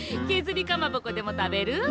削りかまぼこでも食べる？